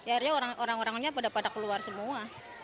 akhirnya orang orangnya pada keluar semua